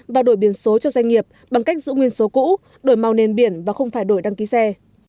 và đổi biển số cho doanh nghiệp bằng cách giữ nguyên số cũ đổi màu nền biển và không phải đổi đăng ký xe